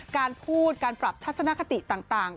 การพูดการปรับทัศนคติต่าง